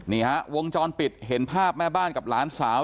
นี่ฮะวงจรปิดเห็นภาพแม่บ้านกับหลานสาว